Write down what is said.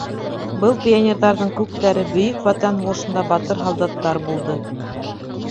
— Был пионерҙарҙың күптәре Бөйөк Ватан һуғышында батыр һалдаттар булды.